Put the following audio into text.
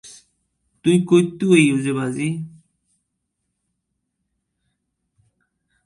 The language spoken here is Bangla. এশিয়ায়, প্রজাপতি সৌদি আরব, শ্রীলঙ্কা, বেলুচিস্তান এবং ভারত থেকে আসে।